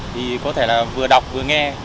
thì có thể là vừa đọc vừa nghe